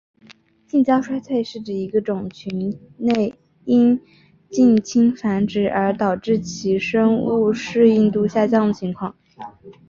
近交衰退是指一个种群内因近亲繁殖而导致其生物适应度下降的情况。